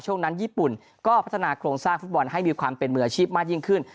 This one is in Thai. ช่วงนั้นญี่ปุ่นก็พัฒนาโครงสร้างฟุตบอลให้มีความเป็นมืออาชีพมากยิ่งขึ้น